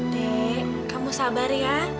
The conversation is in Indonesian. dik kamu sabar ya